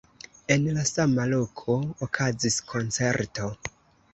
En la sama loko okazis koncerto.